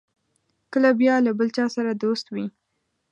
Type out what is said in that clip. کله بیا له بل چا سره دوست وي.